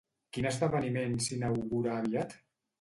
Quin esdeveniment s'inaugura aviat?